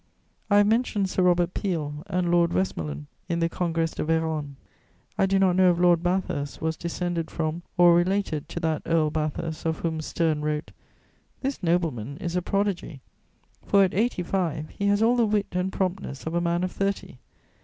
I have mentioned Sir Robert Peel and Lord Westmorland in the Congrès de Vérone. I do not know if Lord Bathurst was descended from or related to that Earl Bathurst of whom Sterne wrote: "This nobleman ... is a prodigy; for at eighty five he has all the wit and promptness of a man of thirty.